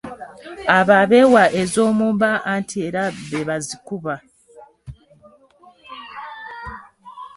Abo abeewa ez’omu mba anti era be bazikuba.